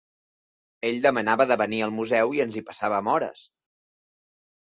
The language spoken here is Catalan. Ell demanava de venir al museu i ens hi passàvem hores.